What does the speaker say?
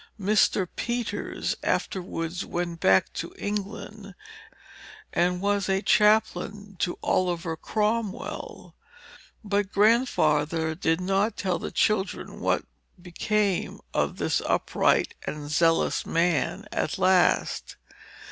Mr. Peters afterwards went back to England, and was chaplain to Oliver Cromwell; but Grandfather did not tell the children what became of this upright and zealous man, at last.